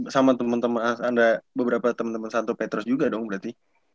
sama temen temen anda beberapa temen temen santo petrus juga dong berarti